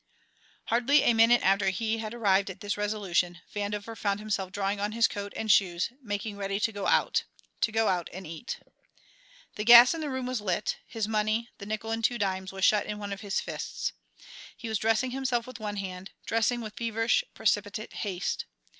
Hardly a minute after he had arrived at this resolution Vandover found himself drawing on his coat and shoes making ready to go out to go out and eat. The gas in the room was lit, his money, the nickel and the two dimes, was shut in one of his fists. He was dressing himself with one hand, dressing with feverish, precipitate haste.